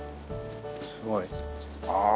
すごいああ。